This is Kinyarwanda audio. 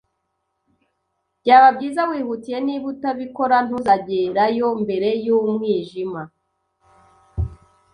Byaba byiza wihutiye. Niba utabikora, ntuzagerayo mbere y'umwijima.